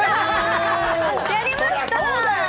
やりました